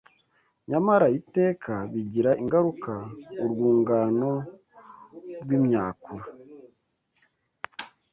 Nyamara iteka bigira ingaruka. Urwungano rw’imyakura